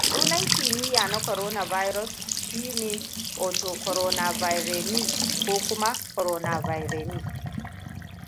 Sunan kimiyya na coronavirus shine Orthocoronavirinae ko Coronavirinae.